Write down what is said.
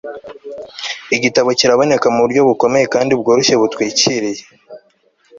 igitabo kiraboneka muburyo bukomeye kandi bworoshye-butwikiriye